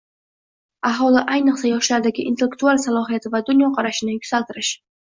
Aholi, ayniqsa, yoshlarning intellektual salohiyati va dunyoqarashini yuksaltirish